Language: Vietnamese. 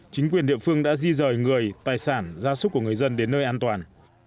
chính quyền địa phương đã di rời người tài sản gia súc của người dân đến nơi an toàn